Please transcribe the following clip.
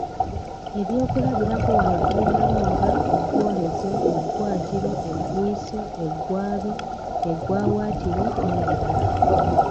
Ebyokulabirako wano tulinawo nga, eggwoolezo, eggwaatiro, eggwiiso, eggwaabi, eggwaawaatiro n'ebirala.